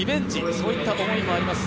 そういった思いもあります。